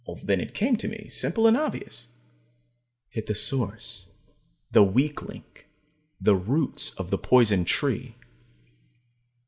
Then it came to me, simple and obvious. Hit the source, the weak link, the roots of the poison tree.